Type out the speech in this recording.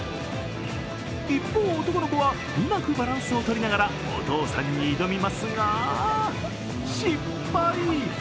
一方、男の子はうまくバランスをとりながらお父さんに挑みますが失敗。